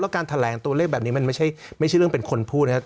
การแถลงตัวเลขแบบนี้มันไม่ใช่เรื่องเป็นคนพูดนะครับ